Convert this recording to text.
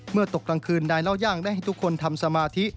ตกกลางคืนนายเล่าย่างได้ให้ทุกคนทำสมาธิ